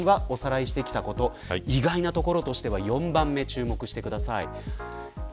意外なところ４番目に注目してください。